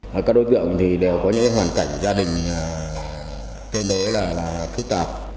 các đối tượng đều có những hoàn cảnh gia đình tên đấy là thức tạp